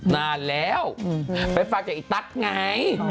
นานแล้วไปฟังกับไอ้ตั๊กไง